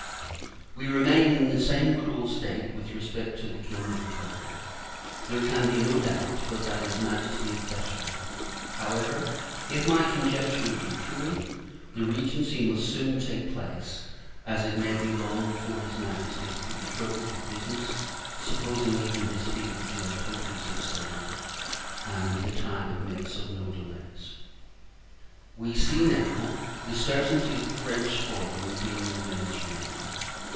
We remain in the same cruel state with respect to the King's recovery. There can be no doubt, but that his Majesty is better. However, if my conjectures are true, the Regency must soon take place: as it may be long before his Majesty could be troubled with business, supposing even his fever to have totally subsided; and, the times admit of no delays. We see, now, the certainty of the French squadron's being in the Mediterranean.